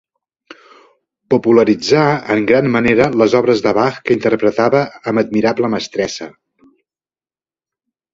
Popularitzà en gran manera les obres de Bach que interpretava amb admirable mestressa.